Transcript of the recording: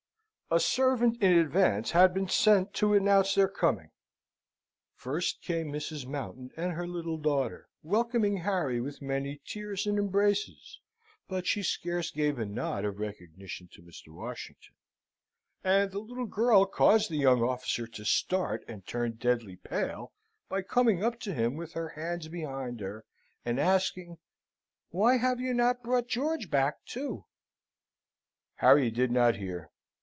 A servant in advance had been sent to announce their coming. First came Mrs. Mountain and her little daughter, welcoming Harry with many tears and embraces, but she scarce gave a nod of recognition to Mr. Washington; and the little girl caused the young officer to start, and turn deadly pale, by coming up to him with her hands behind her, and asking, "Why have you not brought George back too?" Harry did not hear.